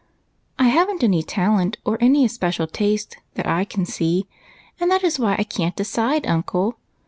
" I have n't any talent, or any especial taste that I can see, and that is why I can't decide, uncle.